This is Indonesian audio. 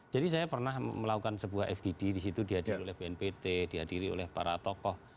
jadi saya pernah melakukan sebuah fgd di situ dihadiri oleh bnpt dihadiri oleh para tokoh